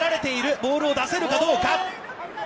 ボールを出せるかどうか。